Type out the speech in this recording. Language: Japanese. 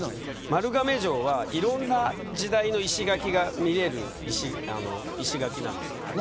丸亀城はいろんな時代の石垣が見える石垣なんです。